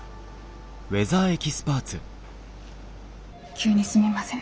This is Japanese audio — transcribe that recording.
急にすみません。